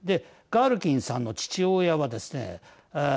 ガルキンさんの父親はですね